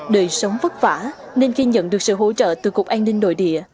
đời sống vất vả nên khi nhận được sự hỗ trợ từ cục an ninh nội địa